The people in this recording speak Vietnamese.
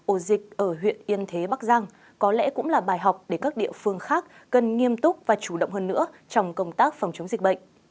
ổ dịch ở huyện yên thế bắc giang có lẽ cũng là bài học để các địa phương khác cần nghiêm túc và chủ động hơn nữa trong công tác phòng chống dịch bệnh